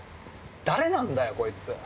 誰なんだよこいつ！